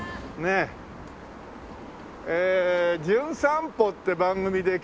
ええ『じゅん散歩』って番組で来たね